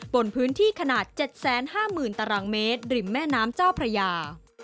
บนพื้นที่ขนาด๗๕๐๐๐ตารางเมตรริมแม่น้ำเจ้าพระยา